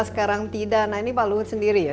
sekarang tidak nah ini pak luhut sendiri ya